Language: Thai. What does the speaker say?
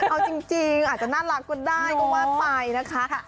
เอาจริงอาจจะน่ารักก็ได้ก็ว่าไปนะคะ